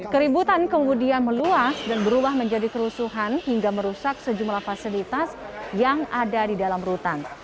keributan kemudian meluas dan berubah menjadi kerusuhan hingga merusak sejumlah fasilitas yang ada di dalam rutan